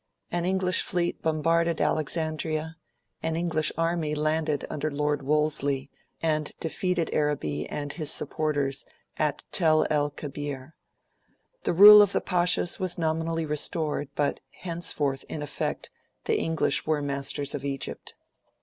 An English fleet bombarded Alexandria, an English army landed under Lord Wolseley, and defeated Arabi and his supporters at Tel el kebir. The rule of the Pashas was nominally restored; but henceforth, in effect, the English were masters of Egypt.